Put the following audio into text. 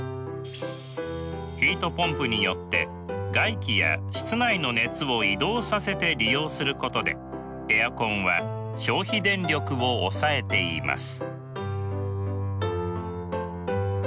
ヒートポンプによって外気や室内の熱を移動させて利用することでエアコンは消費電力を抑えています。